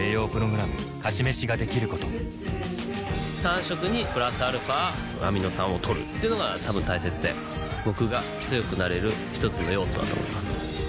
「勝ち飯」ができること３食にプラスアルファアミノ酸をとるっていうのがたぶん大切で僕が強くなれる一つの要素だと思います